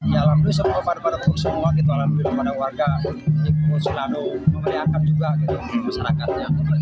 ya alhamdulillah semoga pada semua alhamdulillah pada warga di kudus lalu memeriahkan juga persyarakatnya